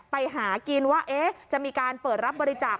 ไปหากินว่าจะมีการเปิดรับบริจาค